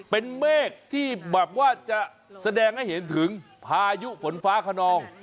เป็นเมฆที่แบบว่าจะแสดงให้เห็นถึงพายุฝนฟ้าขนอง